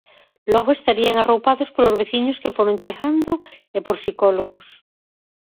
Logo estarían arroupados polos veciños que foron chegando e por psicólogos.